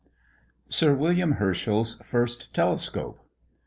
SIR WILLIAM HERSCHEL'S FIRST TELESCOPE.